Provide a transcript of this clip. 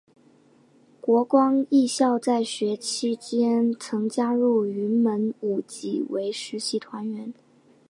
国光艺校在学期间曾加入云门舞集为实习团员。